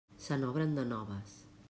Se n'obren de noves.